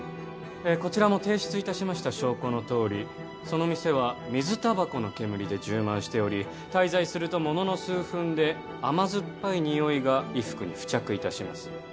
こちらも提出いたしました証拠のとおりその店は水タバコの煙で充満しており滞在するとものの数分で甘酸っぱいニオイが衣服に付着いたします